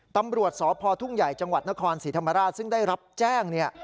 ตำรวจสพทุ่งใหญ่จังหวัดนครศรีธรรมราชซึ่งได้รับแจ้งเนี่ย